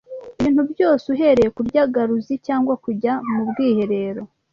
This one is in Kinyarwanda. Ibintu byose, uhereye kurya garuzi cyangwa kujya mu bwiherero